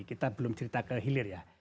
kita belum cerita ke hilir ya